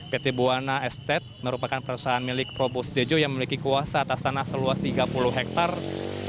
pt buana estet merupakan perusahaan milik probos dejo yang memiliki kuasa atas tanah seluas tiga puluh hektare